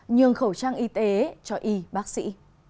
nhưng khẩu trang y tế cho y bác sĩ